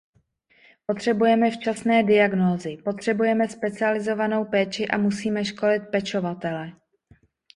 Potřebujeme včasné diagnózy, potřebujeme specializovanou péči a musíme školit pečovatele.